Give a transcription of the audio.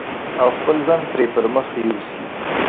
او خپل ژوند پرې پرمخ يوسي.